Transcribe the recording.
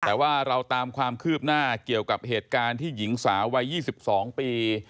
แต่ว่าเราตามความคืบหน้าเกี่ยวกับเหตุการณ์ที่หญิงสาววัย๒๒ปี